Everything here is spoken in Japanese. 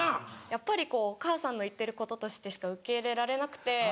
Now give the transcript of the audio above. やっぱりお母さんの言ってることとしてしか受け入れられなくて。